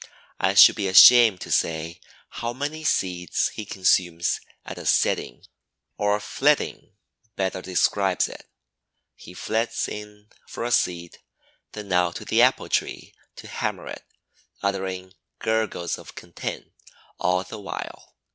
I should be ashamed to say how many seeds he consumes at a sitting, or flitting better describes it. He flits in for a seed, then out to the apple tree to hammer it, uttering gurgles of content all the while.